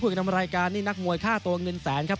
คุณกันทำรายการนี่นักมวยฆ่าตวงหนึ่นแสนครับ